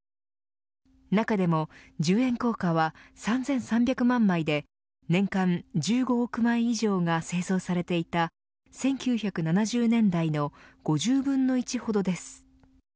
中でも１０円硬貨は３３００万枚で年間１５億枚以上が製造されていた１９７０年代の５０分の１ほどです。